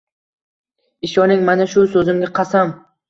Ishoning mana shu so’zimga qasam: